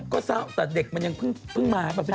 ก็เศร้าแต่เด็กมันยังพึ่งมา